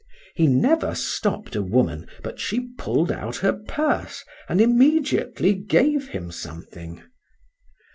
—He never stopp'd a woman, but she pull'd out her purse, and immediately gave him something.